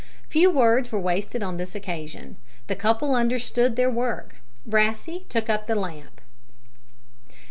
Few words were wasted on this occasion. The couple understood their work. Brassey took up the lamp.